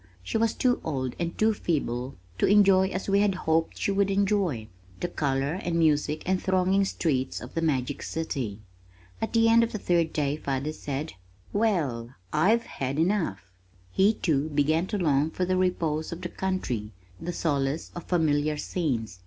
She was too old and too feeble to enjoy as we had hoped she would enjoy, the color and music and thronging streets of The Magic City. At the end of the third day father said, "Well, I've had enough." He too, began to long for the repose of the country, the solace of familiar scenes.